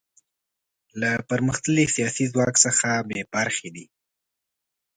له پرمختللي سیاسي ځواک څخه بې برخې دي.